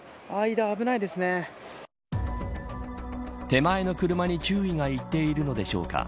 手前の車に注意がいっているのでしょうか